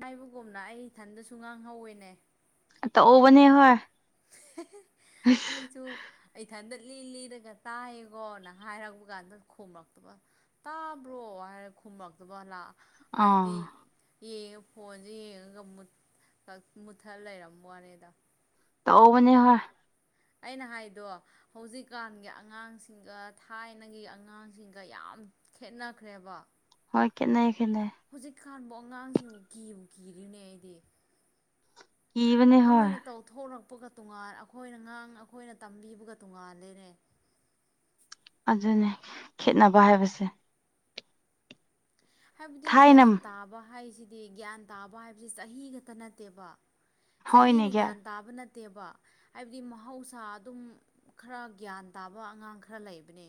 ꯍꯥꯏꯥꯏꯕꯒꯣꯨꯝꯅ ꯑꯩ ꯏꯊꯟꯗꯁꯨ ꯉꯥꯡꯍꯧꯋꯦꯅꯦ ꯇ ꯑꯣꯕꯅꯦ ꯍ ꯑꯩꯁꯨ ꯑꯩ ꯊꯟꯗꯠ ꯂꯤ ꯑꯩꯒ ꯇꯥꯏꯌꯦꯀꯣꯅ ꯍꯥꯏꯔꯛꯄ ꯀꯥꯟꯗ ꯈꯨꯝꯔꯛꯇꯕ ꯇꯥꯕ꯭ꯔꯣ ꯍꯥꯏꯔ ꯈꯨꯝꯃꯛꯇꯕ ꯂꯥꯛ ꯍꯥꯏꯗꯤ ꯑꯥ ꯌꯦꯡꯉ ꯐꯣꯟꯁꯦ ꯌꯦꯡꯉꯒ ꯃꯨꯠꯊꯠ ꯂꯩꯔꯝ ꯋꯥꯅꯦꯗ ꯇꯧ ꯃꯅꯤ ꯍꯣꯏ ꯑꯩꯅ ꯍꯥꯏꯗꯣ ꯍꯧꯖꯤꯛꯀꯥꯟꯒꯤ ꯑꯉꯥꯡꯁꯤꯡꯒ ꯊꯥꯏꯅꯒꯤ ꯑꯉꯥꯡꯁꯤꯡꯒ ꯌꯥꯝ ꯌꯥꯝ ꯈꯦꯠꯅꯈ꯭ꯔꯦꯕ ꯍꯣꯏ ꯀꯦꯟꯅ ꯈ ꯀ ꯈꯥꯟꯕꯨ ꯑꯉꯥꯡꯁꯤꯕꯨ ꯀꯤꯕꯨ ꯀꯤꯗꯅꯦ ꯑꯩꯗꯤ ꯀꯤꯕꯅꯦ ꯍꯣꯏ ꯃꯣꯏꯅ ꯇꯧꯊꯣꯔꯛ ꯀꯄꯒ ꯇꯣꯉꯥꯟ ꯑꯩꯈꯣꯏꯅ ꯉꯥꯡꯅ ꯑꯩꯈꯣꯏꯅ ꯇꯝꯕꯤꯕꯒ ꯇꯣꯉꯥꯥꯟꯂꯦꯅꯦ ꯑꯗꯨꯅꯦ ꯈꯦꯅꯕ ꯍꯥꯏꯕꯁꯦ ꯍꯥꯏꯕꯗꯤ ꯊꯥꯏꯅ ꯒ꯭ꯌꯥꯟ ꯇꯥꯕ ꯍꯥꯏꯁꯤꯗꯤ ꯒ꯭ꯌꯥꯟ ꯇꯥꯕ ꯍꯥꯏꯕꯁꯤ ꯆꯍꯤ ꯈꯛꯇ ꯅꯠꯇꯦꯕ ꯆꯍꯤꯅ ꯒ꯭ꯌꯥꯟ ꯇꯥꯕ ꯅꯦ ꯅꯠꯇꯦꯕ ꯍꯥꯏꯕꯗꯤ ꯃꯍꯧꯁꯥ ꯑꯗꯨꯝ ꯈꯔ ꯒ꯭ꯌꯥꯟ ꯇꯥꯕ ꯑꯉꯥꯡ ꯈꯔ ꯂꯩꯕꯅꯦ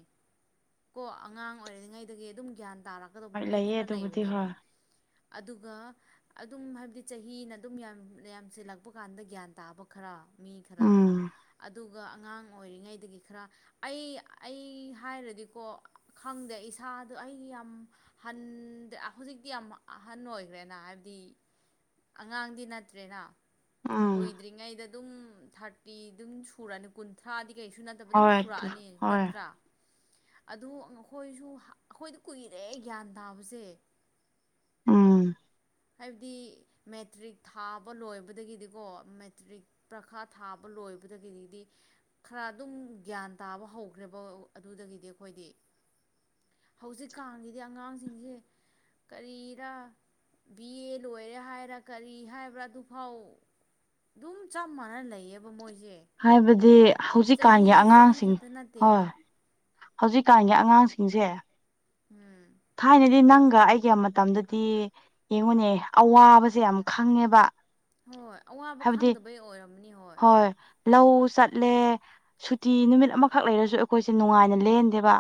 ꯀꯣ ꯑꯉꯥꯡ ꯑꯣꯏꯔꯤꯔꯤꯉꯩꯗꯒꯤ ꯑꯗꯨꯝ ꯒ꯭ꯌꯥꯟ ꯇꯥꯔꯛꯀꯗꯧꯕ ꯍꯣꯏ ꯃꯤ ꯂꯩꯌꯦ ꯈꯔ ꯑꯗꯨꯕꯨꯗꯤ ꯂꯩꯕꯅꯦ ꯍꯣꯏ ꯑꯗꯨꯒ ꯑꯗꯨꯝ ꯍꯥꯏꯕꯗꯤ ꯆꯍꯤꯅ ꯑꯗꯨꯝ ꯌꯥꯝ ꯌꯥꯝꯁꯤꯜꯂꯛꯄ ꯀꯥꯟꯗ ꯒ꯭ꯌꯥꯟ ꯇꯥꯕ ꯈꯔ ꯃꯤ ꯈꯔ ꯎꯝ ꯑꯗꯨꯒ ꯑꯗꯨꯒ ꯑꯉꯥꯡ ꯑꯣꯏꯔꯤꯉꯩꯗꯒꯤ ꯈꯔ ꯑꯩ ꯑꯩ ꯍꯥꯏꯔꯗꯤ ꯀꯣ ꯈꯪꯗꯦ ꯏꯁꯥꯗꯣ ꯑꯩꯒꯤ ꯌꯥꯝ ꯍꯟꯗꯦ ꯍꯧꯖꯤꯛꯇꯤ ꯌꯥꯝ ꯑꯍꯟ ꯑꯣꯏꯔꯦ ꯦꯅ ꯍꯥꯏꯕꯗꯤ ꯑꯉꯥꯡꯗꯤ ꯅꯠꯇ꯭ꯔꯦꯅ ꯎꯝ ꯀꯨꯏꯗ꯭ꯔꯤꯉꯩꯗ ꯑꯗꯨꯝ ꯊꯥꯔꯇꯤ ꯑꯗꯨꯝ ꯁꯨꯔꯅꯤ ꯀꯨꯟꯊ꯭ꯔꯥꯗꯤ ꯀꯩꯁꯨ ꯅꯠꯇꯕ ꯑꯗꯨꯝ ꯍꯣꯏ ꯑꯗꯨ ꯁꯨꯔꯛꯑꯅꯤ ꯍꯣꯏ ꯅꯠꯇ꯭ꯔꯥ ꯑꯗꯨ ꯑꯩꯈꯣꯏꯁꯨ ꯑꯩꯈꯣꯏꯗ ꯀꯨꯏꯔꯦ ꯒ꯭ꯌꯥꯟ ꯇꯥꯕꯁꯦ ꯎꯝ ꯍꯥꯏꯕꯗꯤ ꯃꯦꯇ꯭ꯔꯤꯛ ꯊꯥꯕ ꯂꯣꯏꯕꯗꯒꯤꯗꯤꯀꯣ ꯃꯦꯇ꯭ꯔꯤꯛ ꯄꯔꯈꯥ ꯊꯥꯕ ꯂꯣꯏ ꯂꯣꯏꯕꯗꯒꯤꯗꯒꯤꯗꯤ ꯈꯔ ꯑꯗꯨꯝ ꯒ꯭ꯌꯥꯟ ꯇꯥꯕ ꯍꯧꯈ꯭ꯔꯦꯕ ꯑꯗꯨꯗꯒꯤꯗꯤ ꯑꯩꯈꯣꯏꯗꯤ ꯍꯧꯖꯤꯛꯀꯥꯟꯒꯤꯗꯤ ꯑꯉꯥꯡꯁꯤꯡꯁꯦ ꯀꯔꯤꯗ ꯕꯤ ꯑꯦ ꯂꯣꯏꯔꯦ ꯍꯥꯏꯔ ꯀꯔꯤ ꯍꯥꯏꯕ꯭ꯔꯥ ꯑꯗꯨ ꯐꯥꯎ ꯑꯗꯨꯝ ꯆꯞ ꯃꯥꯟꯅꯅ ꯂꯩꯌꯦꯕ ꯃꯣꯏ ꯍꯥꯏꯕꯗꯤ ꯍꯧꯖꯤꯛꯀꯥꯟꯒꯤ ꯆꯍꯤ ꯑꯉꯥꯡꯁꯤꯡ ꯈꯛꯇ ꯍꯣꯏ ꯅꯠꯇꯦꯕ ꯍꯧꯖꯤꯛꯀꯥꯟꯒꯤ ꯑꯉꯥꯡꯁꯤꯡꯁꯦ ꯎꯝ ꯊꯥꯏꯅꯗꯤ ꯅꯪꯒ ꯑꯩꯒꯤ ꯃꯇꯝꯗꯗꯤ ꯌꯦꯡꯉꯨꯅꯦ ꯑꯋꯥꯕꯁꯦ ꯌꯥꯝ ꯈꯪꯉꯦꯕ ꯍꯣꯏ ꯑꯋꯥꯕ ꯍꯥꯏꯕꯗꯤ ꯈꯪꯗꯕꯩ ꯑꯣꯏꯔꯝꯅꯤ ꯍꯣꯏ ꯂꯧ ꯆꯠꯂꯦ ꯁꯨꯇꯤ ꯅꯨꯃꯤꯠ ꯑꯃꯈꯛ ꯂꯩꯔꯁꯨ ꯑꯩꯈꯣꯏꯁꯦ ꯅꯨꯡꯉꯥꯏꯅ ꯂꯦꯟꯗꯦꯕ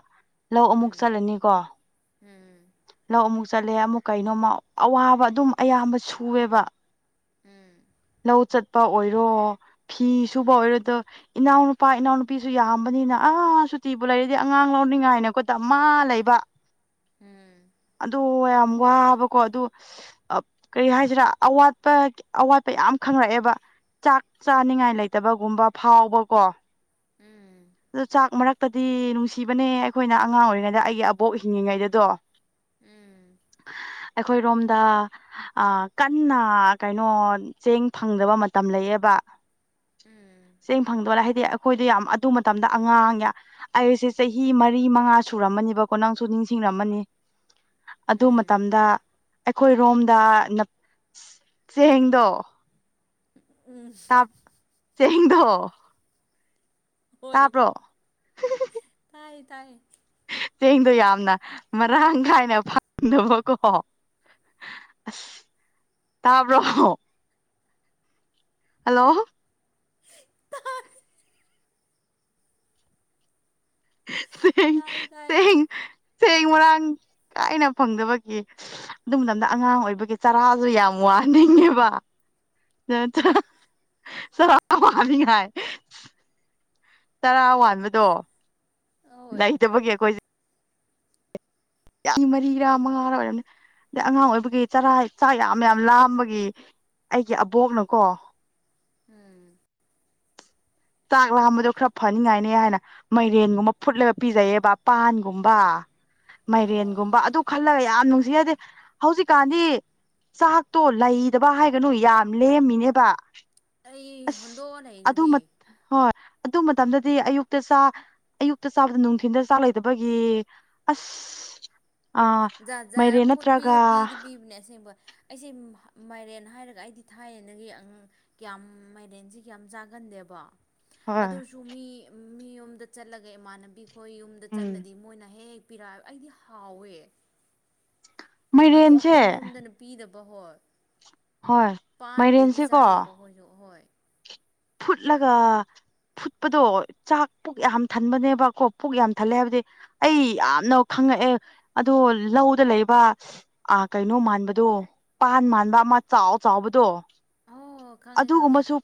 ꯂꯧ ꯑꯃꯨꯛ ꯎꯝ ꯆꯠꯂꯅꯤꯀꯣ ꯎꯝ ꯂꯧ ꯑꯃꯨꯛ ꯆꯠꯂꯦ ꯑꯃꯨꯛ ꯀꯩꯅꯣꯃ ꯑꯋꯥꯕ ꯑꯗꯨꯝ ꯑꯌꯥꯝꯕ ꯁꯨꯑꯦꯕ ꯎꯝ ꯂꯧ ꯆꯠꯄ ꯑꯣꯏꯔꯣ ꯐꯤ ꯁꯨꯕ ꯑꯣꯏꯔꯣ ꯑꯗꯣ ꯏꯅꯥꯎꯅꯨꯄꯥ ꯏꯅꯥꯎꯅꯨꯄꯤꯁꯨ ꯌꯥꯝꯕ ꯅꯤꯅ ꯑꯥ ꯁꯨꯇꯤꯕꯨ ꯂꯩꯔꯗꯤ ꯑꯉꯥꯡ ꯂꯧꯅꯤꯡꯉꯥꯏꯅꯦꯀꯣ ꯇ ꯃꯥ ꯂꯩꯕ ꯑꯗꯣ ꯋꯥꯕꯀꯣ ꯑ ꯀꯔꯤ ꯍꯥꯏꯁꯤꯔꯥ ꯑꯋꯥꯠꯄꯋꯥꯠ ꯌꯥꯝ ꯈꯪꯂꯛꯑꯦꯕ ꯆꯥꯛ ꯆꯥꯅꯤꯡꯉꯥꯏ ꯂꯩꯇꯕꯒꯨꯝꯕ ꯐꯥꯎꯕꯀꯣ ꯎꯝ ꯑꯣ ꯆꯥꯛ ꯃꯔꯛ ꯇꯗꯤ ꯅꯨꯡꯁꯤꯕꯅꯦ ꯑꯩꯈꯣꯏꯅ ꯑꯉꯥꯡ ꯑꯣꯏꯔꯤꯉꯩꯗ ꯑꯩꯒꯤ ꯑꯕꯣꯛ ꯍꯤꯡꯉꯤꯉꯩꯗꯗꯣ ꯎꯝ ꯑꯩꯈꯣꯏꯔꯣꯝꯗ ꯀꯟꯅ ꯀꯩꯅꯣ ꯆꯦꯡ ꯐꯪꯗꯕ ꯃꯇꯝ ꯂꯩꯌꯦꯕ ꯎꯝ ꯆꯦꯡ ꯐꯪꯗꯣꯏꯅ ꯍꯥꯏꯗꯤ ꯑꯩꯈꯣꯏꯗꯣ ꯌꯥꯝ ꯑꯗꯨ ꯃꯇꯝꯗ ꯑꯉꯥꯡ ꯑꯩꯁꯦ ꯆꯍꯤ ꯃꯔꯤ ꯃꯉꯥ ꯁꯨꯔꯝꯃꯅꯤꯕꯀꯣ ꯅꯪꯁꯨ ꯅꯤꯡꯁꯤꯡ ꯝꯃꯅꯤ ꯑꯗꯨ ꯎꯝ ꯃꯇꯝꯗ ꯑꯩꯈꯣꯏꯔꯣꯝꯗ ꯆꯦꯡꯗꯣ ꯎꯝ ꯇꯥꯞ ꯆꯦꯡꯗꯣ ꯇꯥꯕ꯭ꯔꯣ ꯥꯏ ꯇꯥꯏ ꯆꯦꯡꯗꯣ ꯌꯥꯝꯅ ꯃꯔꯥꯡ ꯀꯥꯏꯅ ꯐꯪꯗꯕꯀꯣ [unintelligible] ꯇꯕ꯭ꯔ ꯍꯜꯂꯣ ꯆꯦꯡ ꯇꯥꯏ ꯇꯥꯏ ꯆꯦꯡ ꯆꯦꯡ ꯃꯔꯥꯡ ꯀꯥꯏꯅ ꯐꯪꯗꯕꯒꯤ ꯑꯗꯨ ꯃꯇꯝꯗ ꯑꯉꯥꯡ ꯑꯣꯏꯕꯒꯤ ꯆꯔꯥ ꯑꯗꯨ ꯌꯥꯝ ꯋꯥꯅꯤꯡꯉꯦꯕ ꯆ ꯆ ꯁꯔ ꯃꯥꯅꯥ ꯇꯔꯥ ꯋꯥꯕꯗꯣ ꯑꯍꯣꯏ ꯂꯩꯇꯕꯒꯌꯥ ꯀꯣꯏ ꯑꯩ ꯃꯔꯤ ꯔꯃꯉꯥꯔ ꯑꯣꯏꯔ ꯑꯗꯩ ꯑꯉꯥꯡ ꯑꯣꯏꯕꯒꯤ ꯆꯔꯥ ꯆꯥꯛ ꯌꯥꯝ ꯌꯥꯝ ꯂꯥꯝꯕꯒꯤ ꯑꯩꯒꯤ ꯑꯕꯣꯛꯅꯀꯣ ꯎꯝ ꯆꯥꯛ ꯂꯥꯝꯕꯗꯣ ꯈꯔ ꯐꯅꯤꯉꯥꯏꯅꯦ ꯍꯥꯏꯅ ꯃꯩꯔꯦꯟꯒꯨꯝꯕ ꯐꯨꯠꯂꯒ ꯄꯤꯖꯩꯌꯦꯕ ꯄꯥꯟꯒꯨꯝꯕ ꯑꯣ ꯃꯥꯏꯔꯦꯟꯒꯨꯝꯕ ꯑꯗꯨ ꯈꯜꯂꯒ ꯌꯥꯝ ꯅꯨꯡꯁꯤꯖꯗꯦ ꯍꯧꯖꯤꯛꯀꯥꯟꯗꯤ ꯆꯥꯛꯇꯣ ꯂꯩꯗꯕ ꯍꯥꯏꯒꯅꯨ ꯌꯥꯝ ꯂꯦꯝꯃꯤꯅꯦꯕ ꯑꯩ ꯍꯣꯟꯗꯣꯛꯑꯣ ꯂꯩ ꯑꯗꯨꯗꯤ ꯍꯣꯏ ꯑꯗꯨ ꯃꯇꯝꯗꯗꯤ ꯑꯌꯨꯛꯇ ꯆ ꯑꯌꯨꯛꯇ ꯆꯥꯕꯗ ꯅꯨꯡꯊꯤꯜꯗ ꯆꯥꯛ ꯂꯩꯗꯕꯒꯤ ꯑꯁ [unintelligible] ꯑꯥ ꯖꯥ ꯖꯥꯔ ꯃꯥꯏꯔꯦꯟ ꯐꯨꯠ ꯅꯠꯇ꯭ꯔꯒ ꯄꯤꯔ ꯄꯤꯗꯤ ꯄꯤꯕꯅꯦ ꯑꯁꯦꯡꯕ ꯑꯩꯁꯦ ꯃꯥꯏꯔꯦꯟ ꯍꯥꯏꯔꯒ ꯑꯩꯗꯤ ꯊꯥꯏꯌꯦꯅꯒꯤ ꯀꯌꯥꯝ ꯃꯥꯏꯔꯦꯟꯁꯦ ꯀꯌꯥꯝ ꯆꯥꯒꯟꯗꯦꯕ ꯍꯣꯏ ꯑꯗꯨꯁꯨ ꯃꯤ ꯃꯤ ꯌꯣꯝꯗ ꯆꯠꯂꯒ ꯏꯃꯥꯟꯅꯕꯤ ꯍꯣꯏ ꯌꯨꯝꯗ ꯎꯝ ꯆꯠꯂꯗꯤ ꯃꯣꯏꯅ ꯍꯦꯛ ꯍꯦꯛ ꯄꯤꯔꯛꯑꯕ ꯑꯩꯗꯤ ꯍꯥꯎꯋꯦ ꯑꯗꯨ ꯃꯥꯏꯔꯦꯟꯁꯦ ꯑꯩꯈꯣꯏ ꯌꯨꯝꯗꯅ ꯄꯤꯗꯕ ꯍꯣꯏ ꯍꯣꯏ ꯄꯥꯟꯕꯨꯗꯤ ꯃꯥꯏꯔꯦꯟꯁꯦꯀꯣ ꯆꯥꯏꯌꯦꯀꯣ ꯑꯩꯈꯣꯏꯁꯨ ꯍꯣꯏ ꯐꯨꯠꯂꯒ ꯐꯨꯠꯄꯗꯣ ꯆꯥꯛ ꯄꯨꯛ ꯌꯥꯝ ꯊꯟꯕꯅꯦꯕꯀꯣ ꯄꯨꯛ ꯌꯥꯝ ꯊꯜꯂꯦ ꯍꯥꯏꯕꯗꯤ ꯑꯩ ꯌꯥꯝꯅꯪ ꯪꯉꯛꯑꯦ ꯑꯗꯣ ꯂꯧꯗ ꯂꯩꯕ ꯀꯩꯅꯣ ꯃꯥꯟꯕꯗꯣ ꯄꯥꯟ ꯃꯥꯟꯕ ꯑꯃ ꯆꯥꯎ ꯆꯥꯎꯕꯗꯣ ꯑꯣ ꯈꯪꯉꯦ ꯈꯪꯉꯦ ꯑꯗꯨꯒꯨꯝꯕꯁꯨ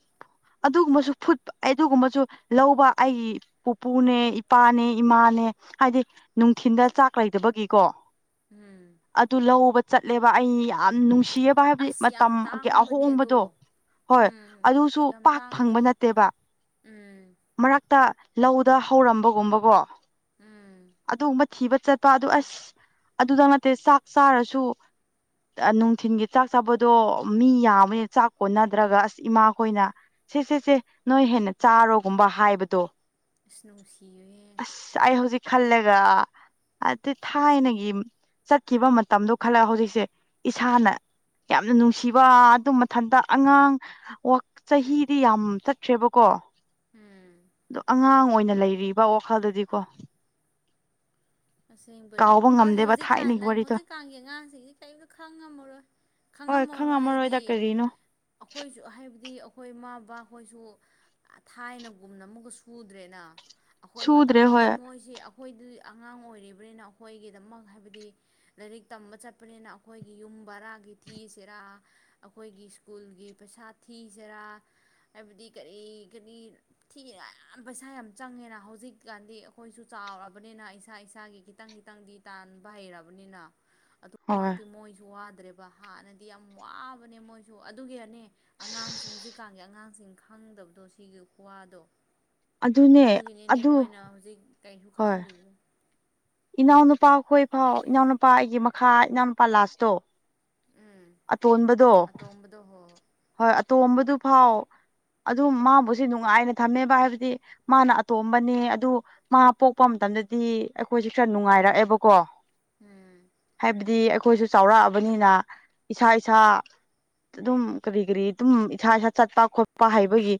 ꯑꯗꯨꯒꯨꯝꯕꯁꯨ ꯐꯨꯠ ꯑꯗꯨꯒ ꯑꯗꯨꯒꯨꯝꯕꯁꯨ ꯂꯧꯕ ꯑꯩꯒꯤ ꯄꯨꯄꯨꯅꯦ ꯏꯄꯥꯅꯦ ꯏꯃꯥꯅꯦ ꯅꯦ ꯍꯥꯏꯗꯤ ꯅꯨꯡꯊꯤꯟꯗ ꯆꯥꯛ ꯂꯩꯇꯕꯒꯤꯀꯣ ꯎꯝ ꯑꯗꯨ ꯂꯧꯕ ꯆꯠꯂꯦꯕ ꯑꯩ ꯌꯥꯝ ꯅꯨꯡꯁꯤ ꯊꯤꯕ ꯍꯥꯏꯕꯗꯤ ꯑꯁ ꯌꯥꯝ ꯃꯇꯝꯒꯤ ꯇꯥꯡꯕꯅꯦ ꯑꯍꯣꯡꯕꯗꯣ ꯑꯗꯣ ꯍꯣꯏ ꯎꯝ ꯑꯗꯨꯁꯨ ꯌꯥꯝ ꯄꯥꯛ ꯐꯪꯕ ꯇꯥꯡꯕꯅꯦ ꯎꯝ ꯇ ꯂꯧꯗ ꯍꯧꯔꯝꯕꯒꯨꯝꯕꯒꯣ ꯎꯝ ꯑꯗꯨꯒꯨꯝꯕ ꯊꯤꯕ ꯆꯠꯄ ꯑꯗꯨ ꯑꯁ ꯑꯗꯨꯗ ꯅꯠꯇꯦ ꯆꯥꯛ ꯆꯥꯔꯁꯨ ꯅꯨꯡꯊꯤꯟꯒꯤ ꯆꯥꯛ ꯆꯥꯕꯗꯣ ꯃꯤ ꯌꯥꯝꯕꯅꯤ ꯆꯥꯛ ꯀꯣꯟꯅꯗ꯭ꯔꯒ ꯑꯁ ꯏꯃꯥꯈꯣꯏꯅ ꯁꯤ ꯁꯦ ꯁꯦ ꯅꯣꯏ ꯍꯦꯟꯅ ꯆꯥꯔꯣꯒꯨꯝꯕ ꯍꯥꯏꯕꯗꯣ ꯁ꯭ꯅꯣ ꯁꯤꯌꯍꯦ ꯈꯜꯂꯦꯒ ꯑꯗꯤ ꯊꯥꯏꯅꯒꯤ ꯆꯠꯈꯤꯕ ꯃꯇꯝꯗꯣ ꯈꯜꯂ ꯍꯧꯖꯤꯛꯁꯦ ꯏꯁꯥꯅ ꯌꯥꯝꯅ ꯅꯨꯡꯁꯤꯕ ꯑꯗꯨ ꯃꯊꯟꯇ ꯑꯉꯥꯡ ꯆꯍꯤꯗꯤ ꯌꯥꯝ ꯆꯠꯈ꯭ꯔꯦꯕꯀꯣ ꯎꯝ ꯑ ꯑꯉꯥꯡ ꯑꯣꯏꯅ ꯩꯅ ꯂꯩꯔꯤꯕ ꯋꯥꯈꯜꯗꯗꯤꯀꯣ ꯑꯁꯦꯡꯕꯅꯦ ꯀꯥꯎꯕ ꯍ ꯉꯝꯗꯦꯕ ꯍꯧꯖꯤꯛꯀꯥꯟ ꯊꯥꯏꯅꯒꯤ ꯅꯪ ꯋꯥꯔꯤꯗꯣ ꯍꯧꯖꯤꯛꯀꯥꯟꯒꯤ ꯑꯉꯥꯡꯁꯤꯡꯗꯤ ꯀꯔꯤꯝꯇ ꯈꯪꯉꯝꯃꯔꯣꯏ ꯍꯣꯏ ꯈꯪꯉꯝꯃꯣꯏ ꯈꯪꯉꯝꯃꯔꯣꯏꯗ ꯍꯥꯏꯗꯤ ꯀꯔꯤꯅꯣ ꯑꯩꯈꯣꯏꯁꯨ ꯍꯥꯏꯕꯗꯤ ꯑꯩꯈꯣꯏ ꯏꯃ ꯕꯥꯍꯣꯏꯁꯨ ꯊꯥꯏꯅꯒꯨꯝꯅ ꯑꯃꯨꯒ ꯁꯨꯗ꯭ꯔꯦꯅ ꯑꯩꯈꯣꯏ ꯁꯨꯗ꯭ꯔꯦ ꯃꯇꯝꯗꯗꯤ ꯍꯣꯏ ꯃꯣꯏꯁꯤ ꯑꯩꯈꯣꯏꯗ ꯑꯉꯥꯡ ꯑꯣꯏꯔꯤꯕꯅꯤꯅ ꯑꯩꯈꯣꯏꯒꯤꯗꯃꯛ ꯍꯥꯏꯕꯗꯤ ꯂꯥꯏꯔꯤꯛ ꯇꯝꯕ ꯆꯠꯄꯅꯤꯅ ꯑꯩꯈꯣꯏꯒꯤ ꯌꯨꯝ ꯕꯔꯥꯒꯤ ꯊꯤꯁꯤꯔꯥ ꯑꯩꯈꯣꯏꯒꯤ ꯁ꯭ꯀꯨꯜꯒꯤ ꯄꯩꯁꯥ ꯊꯤꯁꯤꯔꯥ ꯍꯥꯏꯕꯗꯤ ꯀꯔꯤ ꯀꯔꯤ ꯊꯤꯑꯦꯅ ꯌꯥꯝ ꯄꯩꯁꯥ ꯌꯥꯝ ꯆꯪꯉꯦꯅ ꯍꯧꯖꯤꯛꯀꯥꯟꯗꯤ ꯑꯩꯈꯣꯏꯁꯨ ꯆꯥꯎꯔꯕꯅꯤꯅ ꯑꯩ ꯏꯁꯥ ꯏꯁꯥꯒꯤ ꯈꯤꯇꯪ ꯈꯤꯇꯪꯗꯤ ꯇꯥꯟꯕ ꯍꯩꯔꯕꯅꯤꯅ ꯍꯣꯏ ꯑꯗꯨꯃꯛꯇꯤ ꯃꯣꯏꯁꯨ ꯋꯥꯗ꯭ꯔꯦ ꯍꯥꯟꯅꯗꯤ ꯌꯥꯝ ꯋꯥꯕꯅꯦ ꯃꯣꯏꯁꯨ ꯑꯗꯨꯒꯤꯔꯅꯦ ꯑꯉꯥꯡꯁꯤꯡ ꯍꯧꯖꯤꯛꯀꯥꯟꯒꯤ ꯑꯉꯥꯡꯁꯤꯡ ꯈ ꯇꯗꯕꯗꯣ ꯁꯤꯒꯤ ꯀ꯭ꯋꯥꯗꯣ ꯑꯗꯨꯅꯦ ꯑꯗꯨꯒꯤꯅꯤꯅꯦ ꯑꯗꯨ ꯃꯣꯏꯅ ꯍꯧꯖꯤꯛ ꯀꯩꯁꯨ ꯍꯣꯏ ꯈꯪꯗ꯭ꯔꯤꯕ ꯏꯅꯥꯎꯅꯨꯄꯥ ꯑꯩꯈꯣꯏ ꯐꯥꯎ ꯏꯅꯥꯎꯅꯨꯄꯥ ꯑꯩꯒꯤ ꯃꯈꯥ ꯏꯅꯥꯎꯅꯨꯄꯥ ꯂꯥꯁꯇꯣ ꯎꯝ ꯑꯇꯣꯟꯕꯗꯣ ꯑꯇꯣꯝꯕꯗꯣ ꯍꯣꯏ ꯍꯣꯏ ꯑꯇꯣꯝꯕꯗꯨ ꯐꯥꯎ ꯑꯗꯨꯝ ꯃꯥꯕꯨꯁ ꯅꯨꯡꯉꯥꯏꯅ ꯊꯝꯃꯦꯕ ꯍꯥꯏꯕꯗꯤ ꯃꯥꯅ ꯑꯇꯣꯝꯕꯅꯦ ꯑꯗꯨ ꯃꯥ ꯄꯣꯛꯄ ꯑꯃꯇ ꯗꯗꯤ ꯑꯩꯈꯣꯏꯁꯦ ꯈꯔ ꯅꯨꯡꯉꯥꯏꯔꯛꯑꯦꯕꯀꯣ ꯎꯝ ꯍꯥꯏꯕꯗꯤ ꯑꯩꯈꯣꯏꯁꯨ ꯆꯥꯎꯔꯛꯑꯕꯅꯤꯅ ꯏꯁꯥ ꯏꯁꯥ ꯑꯗꯨꯝ ꯀꯔꯤ ꯀꯔꯤ ꯑꯗꯨꯝ ꯏꯁꯥ ꯏꯁꯥ ꯆꯠꯄ ꯈꯣꯠꯄ ꯍꯥꯏꯕꯒꯤ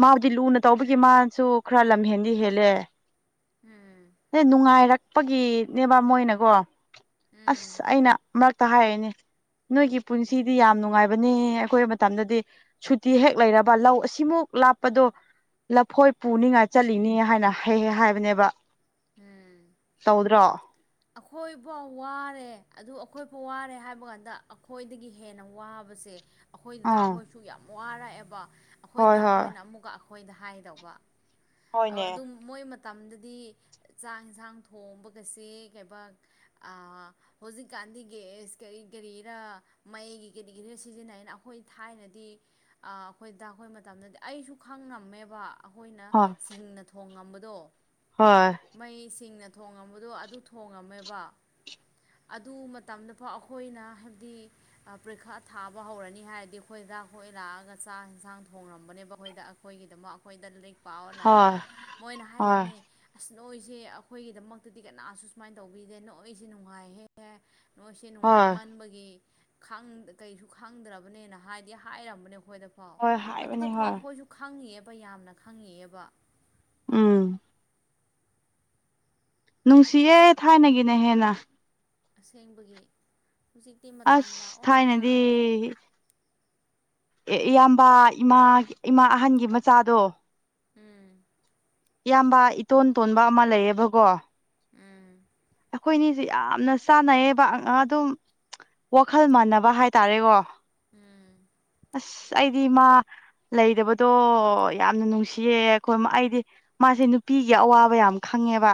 ꯃꯥꯕꯨꯗꯤ ꯂꯨꯅ ꯇꯧꯕꯒꯤ ꯃꯥꯅꯁꯨ ꯈꯔ ꯈꯔ ꯂꯝꯍꯦꯟꯗꯤ ꯍꯦꯜꯂꯦ ꯎꯝ ꯍ ꯅꯨꯡꯉꯥꯏꯔ ꯀꯄꯒꯤꯅꯦꯕ ꯃꯣꯏꯅꯀꯣ ꯎꯝ ꯑꯁ ꯑꯩꯅ ꯃꯔꯛꯇ ꯍꯥꯏꯔꯛꯑꯅꯦ ꯅꯣꯏꯒꯤ ꯄꯨꯟꯁꯤꯗꯤ ꯌꯥꯝ ꯅꯨꯡꯉꯥꯏꯕꯅꯦ ꯑꯩꯀꯣꯏꯕ ꯃꯇꯝꯗꯗꯤ ꯁꯨꯇꯤ ꯍꯦꯛ ꯂꯩꯔꯕ ꯂꯧ ꯑꯁꯤꯃꯨꯛ ꯂꯥꯞꯄꯗꯣ ꯂꯐꯣꯏ ꯄꯨꯅꯤꯡꯉꯥꯏ ꯆꯠꯂꯤꯅꯤ ꯍꯥꯏꯅ ꯍ ꯍꯥꯏꯕꯅꯦꯕ ꯇꯎꯗ꯭ꯔꯣ ꯑꯩꯈꯣꯏ ꯐꯥꯎ ꯋꯥꯔꯦ ꯑꯗꯨ ꯑꯩꯈꯣꯏ ꯐꯥꯎ ꯋꯥꯔꯦ ꯍꯥꯏꯕ ꯀꯥꯟꯗ ꯑꯩꯈꯣꯏꯗꯒꯤ ꯍꯦꯟꯅ ꯋꯥꯕꯁꯦ ꯑꯩꯈꯣꯏ ꯑꯥ ꯍꯗꯥꯛꯈꯣꯏꯁꯨ ꯌꯥꯝ ꯋꯥꯔꯛꯑꯦꯕ ꯍꯣꯏ ꯑꯩꯈꯣꯏꯗꯥꯛ ꯍꯣꯏ ꯍꯣꯏꯅ ꯑꯃꯨꯛꯀ ꯑꯩꯈꯣꯏꯗ ꯍꯥꯏꯗꯧꯕ ꯍꯣꯏꯅꯦ ꯑꯗꯨꯝ ꯃꯣꯏ ꯃꯇꯝꯗꯗꯤ ꯆꯥꯛ ꯌꯦꯟꯁꯥꯡ ꯊꯣꯡꯕꯒꯁꯦ ꯍꯧꯖꯤꯛꯀꯥꯟꯗꯤꯦꯁ ꯀꯔꯤ ꯀꯔꯤꯔ ꯃꯩꯒꯤ ꯀꯔꯤ ꯀꯔꯤ ꯁꯤꯖꯤꯟꯅꯩꯩꯅ ꯑꯩꯈꯣꯏ ꯊꯥꯏꯅꯗꯤ ꯑꯩꯈꯣꯏꯗ ꯑꯩꯈꯣꯏ ꯃꯇꯝꯗꯗꯤ ꯑꯩꯁꯨ ꯈꯪ ꯉꯝꯃꯦꯕ ꯑꯩꯈꯣꯏꯅ ꯍꯣꯏ ꯁꯤꯡꯅ ꯊꯣꯡꯉꯝꯕꯗꯣ ꯍꯣꯏ ꯃꯩ ꯁꯤꯡꯅ ꯊꯣꯡꯉꯝꯕꯗꯣ ꯑꯗꯨ ꯊꯣꯡꯉꯝꯃꯦꯕ ꯑꯗꯨ ꯃꯇꯝꯗꯐꯥꯎ ꯑꯩꯈꯣꯏꯅ ꯍꯥꯏꯕꯗꯤ ꯄ꯭ꯔꯤꯈꯥ ꯊꯥꯕ ꯍꯧꯔꯅꯤ ꯍꯥꯏꯔꯗꯤ ꯑꯩꯈꯣꯏ ꯍꯤꯗꯥꯛ ꯍꯣꯏ ꯂꯥꯛꯑꯒ ꯆꯥꯛ ꯏꯟꯁꯥꯡ ꯊꯣꯡꯡꯂꯝꯕꯅꯦꯕ ꯑꯩꯈꯣꯏꯗ ꯑꯩꯈꯣꯏꯒꯤꯗꯃꯛ ꯑꯩꯈꯣꯏꯗꯛ ꯄꯑꯣꯅ ꯍꯣꯏ ꯃꯣꯏꯅ ꯍꯣꯏ ꯍꯥꯏꯔꯤꯅꯦ ꯑꯁ ꯅꯣꯏꯁꯦ ꯑꯩꯈꯣꯏꯒꯤꯗꯃꯛꯇꯗꯤ ꯀꯅꯥꯁꯨ ꯁꯨꯃꯥꯏꯅ ꯇꯧꯕꯤꯗꯦ ꯅꯣꯏꯁꯤꯦ ꯅꯨꯡꯉꯥꯏꯍꯦꯛꯍꯦ ꯅꯣꯏꯁꯦ ꯍꯣꯏ ꯅꯨꯡꯉꯥꯏꯃꯟꯕꯒꯤ ꯀꯩꯁꯨ ꯈꯪꯗ꯭ꯔꯕꯅꯦꯅ ꯍꯥꯏꯗꯤ ꯍꯥꯏꯔꯝꯕꯅꯦ ꯑꯩꯈꯣꯏꯗ ꯐꯥꯎ ꯍꯣꯏ ꯑꯗꯨꯗ ꯍꯥꯏꯕꯅꯤ ꯐꯥꯎ ꯍꯣꯏ ꯑꯩꯈꯣꯏꯁꯨ ꯈꯪꯉꯤꯌꯦꯕ ꯌꯥꯝꯅ ꯈꯪꯉꯤꯌꯦꯕ ꯎꯝ ꯅꯨꯡꯁꯤꯌꯦ ꯊꯥꯏꯅꯒꯤꯅ ꯍꯦꯟꯅ ꯑꯁꯦꯡꯕꯒꯤ ꯍꯨꯖꯤꯛꯇꯤ ꯃꯇꯝ ꯑꯁ ꯂꯥꯛꯑꯣ ꯂꯥꯛꯑꯔꯣꯏꯅꯦ ꯑꯦ ꯏꯌꯥꯝꯕ ꯏꯃꯥ ꯏꯃꯥ ꯑꯍꯟꯒꯤ ꯃꯆꯥꯗꯣ ꯎꯝ ꯏꯌꯥꯝꯕ ꯏꯇꯣꯟ ꯇꯣꯟꯕ ꯑꯃ ꯂꯩꯌꯦꯕꯀꯣ ꯎꯝ ꯑꯩꯈꯣꯏꯅꯤꯁꯦ ꯌꯥꯝꯅ ꯆꯥꯅꯩꯌꯦꯕ ꯑꯡ ꯑꯗꯨꯝ ꯋꯥꯈꯜ ꯃꯥꯟꯅꯕ ꯍꯥꯏꯇꯥꯔꯦꯀꯣ ꯎꯝ ꯑꯁ ꯑꯩꯗꯤ ꯃꯥ ꯂꯩꯗꯕꯗꯣ ꯌꯥꯝꯅ ꯅꯨꯡꯁꯤꯌꯦ ꯑꯩꯈꯣꯝ ꯑꯩꯗꯤ ꯃꯥꯁꯦ ꯅꯨꯄꯤꯒꯤ ꯑꯋꯥꯕ ꯌꯥꯝ ꯈꯪ ꯉꯦꯕ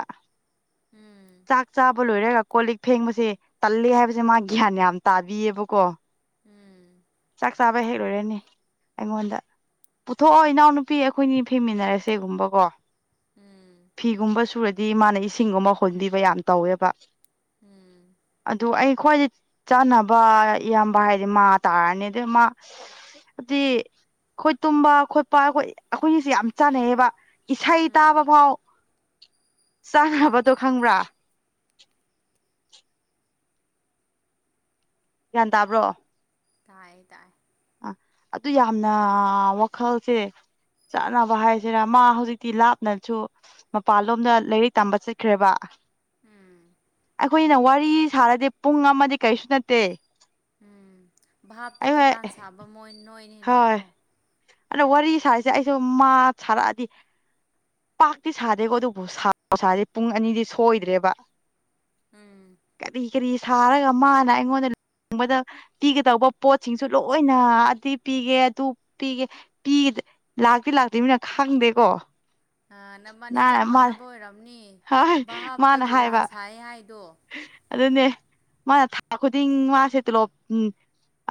ꯎꯝ ꯆꯥꯛ ꯆꯥꯕ ꯂꯣꯏꯔꯒ ꯀꯣꯜ ꯂꯤꯛ ꯐꯦꯡꯕꯁꯦ ꯇꯜꯂꯦ ꯍꯥꯏꯕꯁꯦ ꯃꯥ ꯒ꯭ꯌꯥꯟ ꯌꯥꯝ ꯇꯥꯕꯤꯌꯦꯕꯀꯣ ꯎꯝ ꯆꯥꯛ ꯆꯥꯕ ꯍꯦꯛ ꯂꯣꯏꯔꯅꯤ ꯑꯩꯉꯣꯟꯗ ꯄꯨꯊꯣꯛꯑꯣ ꯏꯅꯥꯎꯅꯨꯄꯤ ꯑꯩꯈꯣꯏꯅꯤ ꯐꯦꯡꯃꯤꯟꯅꯔꯁꯦꯒꯨꯝꯕꯀꯣ ꯎꯝ ꯎꯝ ꯐꯤꯒꯨꯝꯕ ꯁꯨꯔꯗꯤ ꯃꯥꯅ ꯏꯁꯤꯡꯒꯨꯝꯕ ꯍꯣꯟꯕꯤꯕ ꯌꯥꯝ ꯇꯧꯋꯦꯕ ꯎꯝ ꯑꯗꯣ ꯑꯩ ꯈꯣꯏꯗꯤ ꯆꯥꯅꯕ ꯏꯌꯥꯝꯕ ꯍꯥꯏꯗꯤ ꯃꯥ ꯇꯥꯔꯅꯤ ꯑꯗ ꯃꯥ ꯕꯗꯤ ꯑꯩꯈꯣꯏ ꯇꯨꯝꯕ ꯈꯣꯏꯄ ꯑꯩꯈꯣꯏ ꯑꯩꯈꯣꯏꯅꯤꯁꯦ ꯌꯥꯝ ꯆꯥꯟꯅꯩꯌꯦꯕ ꯏꯁꯩ ꯎꯝ ꯇꯥꯕ ꯐꯥꯎ ꯆꯥꯅꯕꯗꯣ ꯈꯪꯕ꯭ꯔꯥ ꯒ꯭ꯌꯥꯟ ꯇꯥꯕ꯭ꯔꯣ ꯇꯥꯏꯌꯦ ꯇꯥꯏꯌꯦ ꯑ ꯑꯗꯨ ꯌꯥꯝꯅꯥ ꯋꯥꯈꯜꯁꯦ ꯆꯥꯅꯕ ꯍꯥꯏꯁꯤꯔꯥ ꯃꯥ ꯍꯧꯖꯤꯛꯇꯤ ꯂꯥꯞꯅꯁꯨ ꯃꯄꯥꯟꯂꯣꯝꯗ ꯂꯥꯏꯔꯤꯛ ꯇꯝꯕ ꯆꯠꯈ꯭ꯔꯦꯕ ꯎꯝ ꯑꯩꯈꯣꯏꯅ ꯋꯥꯔꯤ ꯁꯥꯔꯗꯤ ꯄꯨꯡ ꯑꯃꯗꯤ ꯀꯔꯤꯁꯨ ꯅꯠꯇꯦ ꯎꯝ ꯚꯥꯞꯇ ꯑꯩꯍꯣꯏ ꯗꯨꯂꯥꯟ ꯁꯥꯕ ꯃꯣꯏꯅꯣ ꯍꯣꯏ ꯅꯀꯣ ꯑꯗꯣ ꯋꯥꯔꯤ ꯁꯥꯔꯤꯁꯦ ꯑꯩꯁꯨ ꯃꯥ ꯁꯥꯔꯛꯑꯗꯤ ꯄꯥꯛꯇꯤ ꯁꯥꯗꯦꯀꯣ ꯑꯗꯨꯕꯨ ꯁꯥꯕꯨ-ꯁꯥꯔ꯭ꯗꯤ ꯄꯨꯡ ꯑꯅꯤꯗꯤ ꯁꯣꯏꯗ꯭ꯔꯦꯕ ꯎꯝ ꯀꯔꯤ ꯀꯔꯤ ꯁꯥꯔꯒ ꯃꯥꯅ ꯑꯩꯉꯣꯟꯗ ꯂꯨꯍꯣꯡꯕꯗ ꯄꯤꯒꯗꯧꯕ ꯄꯣꯠꯁꯤꯡꯁꯨ ꯂꯣꯏꯅ ꯑꯗꯤ ꯄꯤꯒꯦ ꯑꯗꯨ ꯄꯤꯒꯦ ꯄꯤ ꯂꯥꯛꯇꯤ ꯂꯥꯛꯇꯤꯃꯤꯅ ꯈꯪꯗꯦꯀꯣ ꯑ ꯅꯕꯥꯥꯅꯤ ꯅ ꯆꯞ ꯃꯥ ꯃꯥꯟꯅꯕ ꯑꯣꯏꯔꯝꯅꯤ ꯍꯣꯏ ꯚꯥꯞꯇ ꯃꯥꯅ ꯗꯣꯂꯥꯟ ꯍꯥꯏꯕ ꯁꯥꯏ ꯍꯥꯏꯗꯣ ꯑꯗꯨꯅꯦ ꯃꯥꯅ ꯊꯥ-ꯈꯨꯗꯤꯡ ꯃꯥꯁꯦ ꯇꯣꯂꯣꯞ ꯎꯝ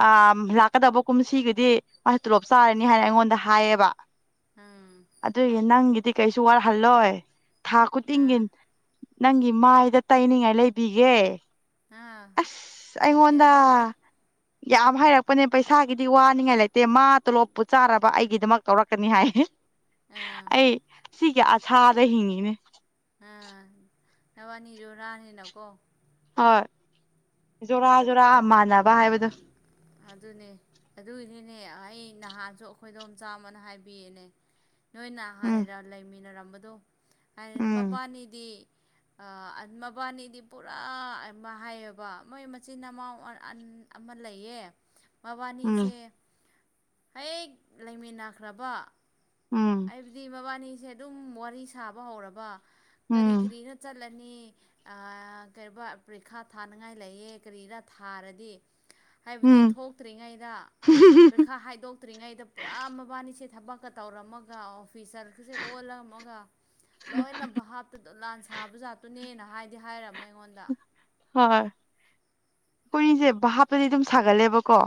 ꯑꯥ ꯂꯥꯛꯀꯗꯕ ꯀꯨꯝꯁꯤꯒꯗꯤ ꯃꯥ ꯇꯣꯂꯣꯞ ꯆꯥꯔꯅꯤ ꯍꯥꯏꯅ ꯑꯩꯉꯣꯟꯗ ꯍꯥꯏꯌꯦꯕ ꯎꯝ ꯑꯗꯨꯏꯒꯤ ꯅꯪꯒꯤꯗꯤ ꯀꯩꯁꯨ ꯋꯥꯠꯍꯜꯂꯣꯏ ꯊꯥ ꯈꯨꯗꯤꯡꯒꯤ ꯑꯥ ꯅꯪꯒꯤ ꯃꯥꯏꯗ ꯇꯩꯅꯤꯡꯉꯥꯏ ꯂꯩꯕꯤꯒꯦ ꯑꯥ ꯑꯁ ꯑꯩꯉꯣꯟꯗꯥ ꯌꯥꯏ ꯌꯥꯏ ꯌꯥꯝ ꯍꯥꯏꯔꯛꯄꯅꯦ ꯄꯩꯁꯥꯒꯤꯗꯤ ꯋꯥꯅꯤꯡꯉꯥꯏ ꯂꯩꯇꯦ ꯃꯥ ꯇꯣꯂꯣꯞꯄꯨ ꯆꯥꯔꯕ ꯑꯩꯒꯤꯗꯃꯛ ꯀꯧꯔꯛꯀꯅꯤ ꯍꯥꯏꯌꯦ ꯑꯥ ꯑꯩ ꯁꯤꯒꯤ ꯑꯁꯥꯗ ꯍꯤꯡꯉꯤꯅꯦ ꯑꯥ ꯅꯕꯅꯤ ꯖꯨꯔꯥꯅꯤꯅꯀꯣ ꯍꯣꯏ ꯖꯣꯔꯥ ꯖꯣꯔꯥ ꯃꯥꯟꯅꯕ ꯍꯥꯏꯕꯗꯣ ꯑꯗꯨꯅꯦ ꯑꯗꯨꯒꯤꯅꯤꯅꯦ ꯑꯩ ꯅꯍꯥꯟꯁꯨ ꯑꯩꯈꯣꯏ ꯏqꯗꯣꯝꯆꯥꯥ ꯑꯃꯅ ꯍꯥꯏꯕꯤꯌꯦꯅꯦ ꯅꯣꯏꯅ ꯎꯝ ꯍꯥꯟꯅ ꯂꯩꯃꯤꯟꯅꯔꯝꯕꯗꯣ ꯍꯥꯏ ꯎꯝ ꯃꯕꯥꯅꯤꯗꯤ ꯑꯥ ꯑꯟ ꯃꯕꯥꯅꯤꯗꯤ ꯄꯨꯔꯥ ꯃꯥ ꯍꯥꯏꯌꯦꯕ ꯃꯣꯏ ꯃꯆꯤꯟ ꯅꯃꯥꯎ ꯑ ꯑꯟ ꯑꯃ ꯂꯩꯌꯦ ꯎꯝ ꯃꯕꯥꯅꯤꯁꯦ ꯍꯦꯛ ꯂꯩꯃꯤꯟꯅꯈ꯭ꯔꯕ ꯎꯝ ꯍꯥꯏꯕꯗꯤ ꯃꯕꯥꯅꯤꯁꯦ ꯑꯗꯨꯝ ꯋꯥꯔꯤ ꯁꯥꯕ ꯍꯧꯔꯕ ꯀꯔꯤ ꯎꯝ ꯀꯔꯤꯔ꯭ ꯆꯠꯂꯦ ꯅꯤ ꯑꯥ ꯀꯔꯤꯕ ꯄꯔꯤꯈꯥ ꯊꯥꯅꯤꯡꯉꯥꯏ ꯂꯩꯌꯦ ꯀꯔꯤꯔꯥ ꯊꯥꯔꯗꯤ ꯍꯥꯏꯕꯗꯤ ꯎꯝ ꯊꯣꯛꯇ꯭ꯔꯤꯉꯩꯗ ꯄꯔꯤꯈꯥ ꯍꯥꯏꯗꯣꯛꯇ꯭ꯔꯤꯉꯩꯗ ꯄꯨꯔꯥ ꯃꯕꯥꯅꯤ ꯁꯦ ꯊꯕꯛꯀ ꯇꯧꯔꯝꯃꯒ ꯑꯣꯐ ꯐꯤꯁꯥꯔꯒꯁꯦ ꯑꯣꯜꯂꯝꯃꯒ ꯂꯣꯏꯅ ꯚꯥꯞꯇ ꯗꯣꯂꯥꯟ ꯁꯥꯕꯖꯥꯠꯇꯨꯅꯦꯅ ꯍꯥꯏꯗꯤ ꯍꯥꯏꯔꯝꯃꯦ ꯑꯩꯉꯣꯟꯗ ꯍꯣꯏ ꯑꯩꯈꯣꯏꯅꯤꯁꯦ ꯚꯥꯞ ꯇꯗꯤ ꯑꯗꯨꯝ ꯁꯥꯒꯠꯂꯦꯕꯀꯣ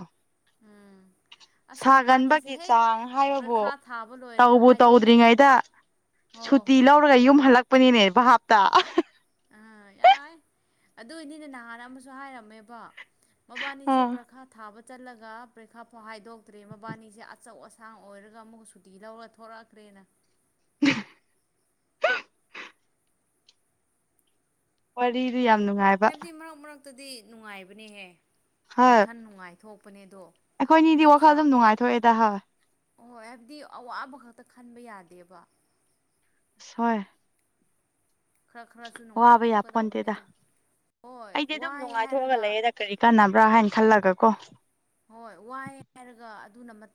ꯎꯝ ꯑꯁ ꯃꯕꯥꯅꯤꯁꯦ ꯁꯥꯒꯟꯕꯒꯤ ꯍꯦꯛ ꯆꯥꯡ ꯍꯥꯏꯕꯕꯨ ꯄꯔꯤꯈꯥ ꯊꯥꯕ ꯂꯣꯏꯔꯒ ꯇꯧꯕꯨ ꯍꯥꯏꯗꯣꯛꯇ꯭ꯔꯤ ꯇꯧꯗ꯭ꯔꯤꯉꯩꯗ ꯍꯣꯏ ꯍꯣꯏ ꯁꯨꯇꯤ ꯍꯣꯏ ꯂꯧꯔꯒ ꯌꯨꯝ ꯍꯜꯂꯛꯄꯅꯤꯅꯦ ꯚ꯭ꯍꯥꯞꯇ ꯑꯥ ꯌꯥꯏ ꯑꯗꯨ ꯅꯤꯅꯦ ꯅꯍꯥꯟ ꯑꯃꯁꯨ ꯍꯥꯏꯔꯝꯃꯦꯕ ꯃꯕꯥꯟꯅꯤꯁꯦ ꯑꯥ ꯄ꯭ꯔꯈꯥ ꯊꯥꯕ ꯆꯠꯂꯒ ꯄ꯭ꯔꯤꯈꯥꯐꯥꯎ ꯍꯥꯏꯗꯣꯛꯇ꯭ꯔꯤ ꯃꯕꯥꯅꯤꯁꯦ ꯑꯆꯧ ꯑꯁꯥꯡ ꯑꯣꯏꯔꯒ ꯑꯃꯨꯛꯀ ꯁꯨꯇꯤ ꯂꯧꯔ ꯊꯣꯔꯛꯈ꯭ꯔꯦ ꯈ꯭ꯔꯦꯅ [unintelligible] ꯋꯥꯔꯤꯗꯨ ꯌꯥꯝ ꯅꯨꯡꯉꯥꯏꯕ [unintelligible] ꯗꯤ ꯅꯨꯡꯉꯥꯏꯕꯅꯦꯍꯦ ꯍꯣꯏ ꯋꯥꯈꯜ ꯅꯨꯡꯉꯥꯏꯊꯣꯛꯄꯅꯦ ꯑꯩꯈꯣꯏꯅꯤꯗꯤ ꯋꯥꯈꯜ ꯑꯗꯨꯝ ꯅꯨꯡꯉꯥꯏꯊꯣꯛꯑꯦꯗꯥ ꯍ ꯍꯣꯏ ꯍꯥꯏꯕꯗꯤ ꯑꯋꯥꯕ ꯈꯛꯇ ꯈꯟꯕ ꯌꯥꯗꯦꯕ ꯑꯁ ꯍꯣꯏ ꯈꯔ ꯈꯔꯁꯨ ꯋꯥꯕ ꯌꯥꯄꯣꯟꯇꯦꯗ ꯅꯨꯡꯉꯥꯏꯊꯣꯛꯀꯗꯧꯕꯅꯤꯗ ꯍꯣꯏ ꯑꯩꯗꯤ ꯑꯗꯨꯝ ꯋꯥꯏ ꯅꯨꯡꯉꯥꯏꯊꯣꯛꯑꯒ ꯍꯥꯏꯔꯒ ꯂꯩꯌꯦꯗ ꯀꯔꯤ ꯀꯥꯟꯅꯕ꯭ꯔꯥ ꯍꯥꯏꯅ ꯈꯜꯂꯒ ꯀꯣ ꯍꯣꯏ ꯋꯥꯏ ꯍꯥꯏꯔꯒ ꯑꯗꯨꯅ